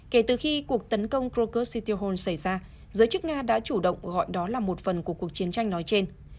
kể từ khi cuộc tấn công krokus sitihol xảy ra giới chức nga đã chủ động gọi đó là một phần của cuộc chiến tranh nói trên